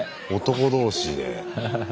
男同士で。